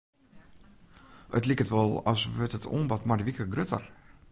It liket wol as wurdt it oanbod mei de wike grutter.